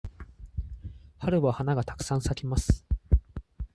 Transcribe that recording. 春は花がたくさん咲きます。